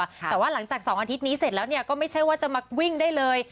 แต่ว่าหลังจาก๒อาทิตย์นี้เสร็จแล้วเนี่ยก็ไม่ใช่ว่าจะมาวิ่งได้เลย